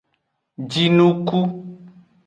Jinuku.